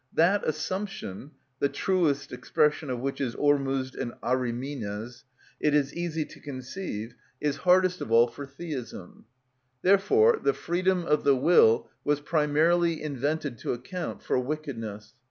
That assumption (the truest expression of which is Ormuzd and Ahrimines), it is easy to conceive, is hardest of all for Theism. Therefore the freedom of the will was primarily invented to account for wickedness.